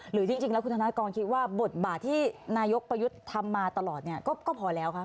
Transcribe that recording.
หรือจริงแล้วคุณธนากรคิดว่าบทบาทที่นายกประยุทธ์ทำมาตลอดเนี่ยก็พอแล้วครับ